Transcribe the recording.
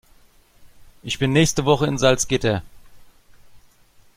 Ich bin nächste Woche in Salzgitter